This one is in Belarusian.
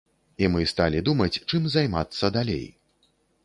І мы сталі думаць, чым займацца далей.